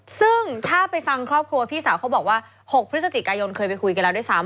ซึ่งถ้าไปฟังครอบครัวพี่สาวเขาบอกว่า๖พฤศจิกายนเคยไปคุยกันแล้วด้วยซ้ำ